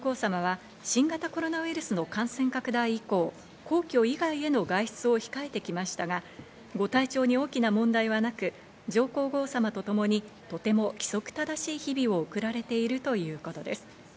今日、米寿を迎えた上皇さまは新型コロナウイルスの感染拡大以降、皇居以外への外出を控えてきましたが、ご体調に大きな問題はなく上皇后さまとともにとても規則正しい日々を送られているということです。